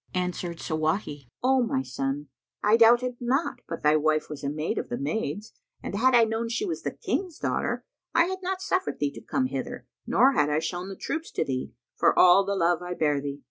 Answered Shawahl, "O my son, I doubted not but thy wife was a maid of the maids, and had I known she was the King's daughter, I had not suffered thee to come hither nor had I shown the troops to thee, for all the love I bear thee.